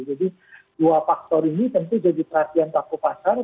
jadi dua faktor ini tentu jadi perhatian takut pasar